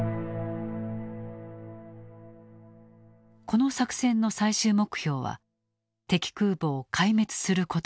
この作戦の最終目標は敵空母を壊滅することだった。